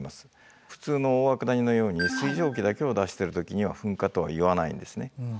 普通の大涌谷のように水蒸気だけを出してる時には噴火とは言わないんですね。